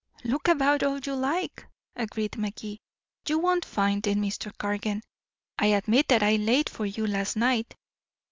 "Look about all you like," agreed Magee. "You won't find it. Mr. Cargan, I admit that I laid for you last night.